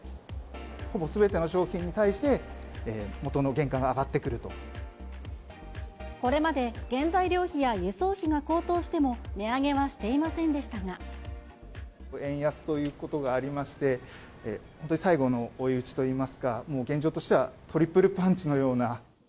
ほぼすべての商品に対して、これまで原材料費や輸送費が高騰しても、円安ということがありまして、本当に最後の追い打ちといいますか、もう現状としてはトリプルパンチのような。